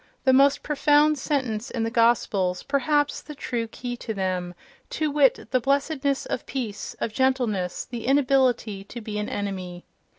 —the most profound sentence in the Gospels, perhaps the true key to them), to wit, the blessedness of peace, of gentleness, the inability to be an enemy.